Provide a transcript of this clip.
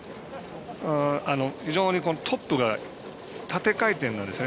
非常にトップが縦回転なんですね